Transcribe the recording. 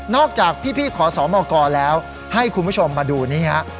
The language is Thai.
นอกจากพี่ขอสอบอากรแล้วให้คุณผู้ชมมาดูเนี้ย